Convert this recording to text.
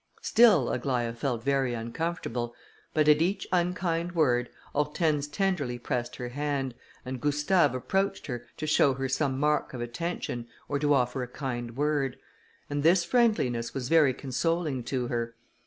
Still Aglaïa felt very uncomfortable, but at each unkind word, Hortense tenderly pressed her hand, and Gustave approached her, to show her some mark of attention, or to offer a kind word; and this friendliness was very consoling to her.